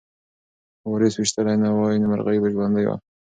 که وارث ویشتلی نه وای نو مرغۍ به ژوندۍ وه.